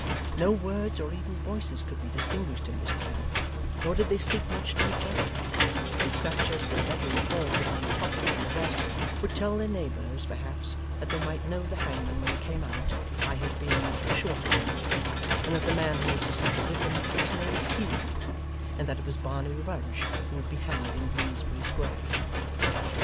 No words or even voices could be distinguished in this clamour, nor did they speak much to each other; though such as were better informed upon the topic than the rest, would tell their neighbours, perhaps, that they might know the hangman when he came out, by his being the shorter one: and that the man who was to suffer with him was named Hugh: and that it was Barnaby Rudge who would be hanged in Bloomsbury Square.